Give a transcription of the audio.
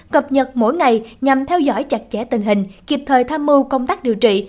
cập nhật mỗi ngày nhằm theo dõi chặt chẽ tình hình kịp thời tham mưu công tác điều trị